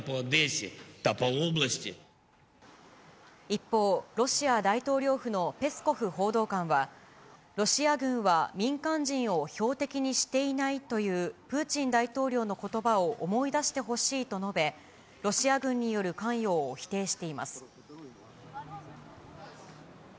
一方、ロシア大統領府のペスコフ報道官は、ロシア軍は民間人を標的にしていないという、プーチン大統領のことばを思い出してほしいと述べ、ロシア軍による関与を否定しています。